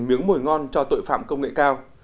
miếng mồi ngon cho tội phạm công nghệ cao